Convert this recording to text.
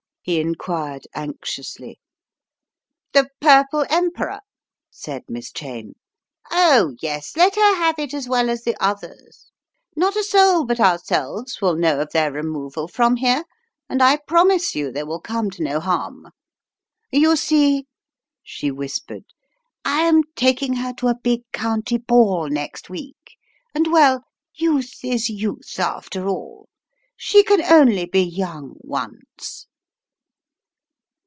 he inquired anxiously. " The Purple Emperor? " said Miss Cheyne. "Oh, yes, let her have it as well as the others; not a soul but ourselves will know of their removal from here, and I promise you they will come to no harm. You In the Tiger 9 s Clutches 87 see," she whispered, "I am taking her to a big county ball next week, and, well, youth is youth, after all. She can only be young once."